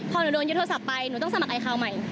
พอหนูโดนยึดโทรศัพท์ไปหนูต้องสมัครไอคาวใหม่